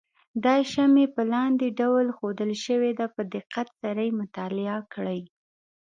دا شمې په لاندې ډول ښودل شوې ده په دقت سره یې مطالعه کړئ.